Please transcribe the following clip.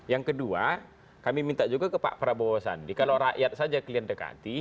yang kedua kami minta juga ke pak prabowo sandi kalau rakyat saja kalian dekati